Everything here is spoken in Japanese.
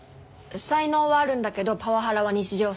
才能はあるんだけどパワハラは日常茶飯事。